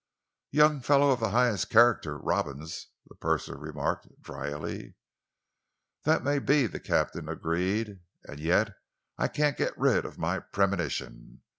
"Young fellow of the highest character, Robins," the purser remarked drily. "That may be," the captain agreed, "and yet I can't get rid of my premonition.